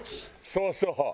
そうそう。